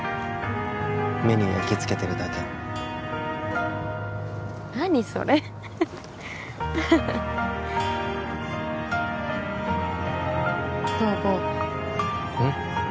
目に焼きつけてるだけ何それ東郷うん？